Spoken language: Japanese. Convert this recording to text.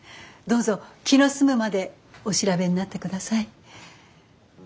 どうぞ気の済むまでお調べになってください。